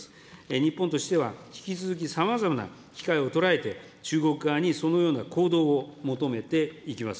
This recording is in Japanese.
日本としては、引き続きさまざまな機会を捉えて、中国側にそのような行動を求めていきます。